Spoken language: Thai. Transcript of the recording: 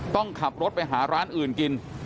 ต้องขับรถไปหาร้านอื่นกิน